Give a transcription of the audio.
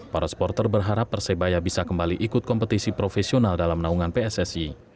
para supporter berharap persebaya bisa kembali ikut kompetisi profesional dalam naungan pssi